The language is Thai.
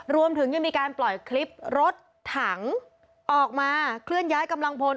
รวมถึงยังมีการปล่อยคลิปรถถังออกมาเคลื่อนย้ายกำลังพล